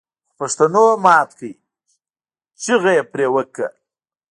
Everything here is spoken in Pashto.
خوپښتنو مات کړ چيغه يې پرې وکړه